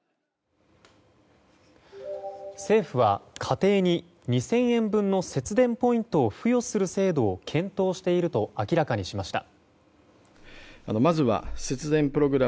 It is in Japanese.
政府は家庭に２０００円分の節電ポイントを付与する制度を検討していると明らかにしました。